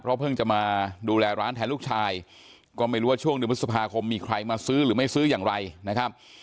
เพราะเพิ่งจะมาดูแลร้านแทนลูกชายก็ไม่รู้ว่าช่วงเดือนพฤษภาคมมีใครมาซื้อหรือไม่ซื้ออย่างไรนะครับ